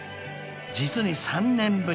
［実に３年ぶり］